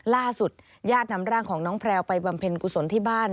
ล่าสุดญาตินำร่างของน้องแพลวไปบำเพ็ญกุศลที่บ้าน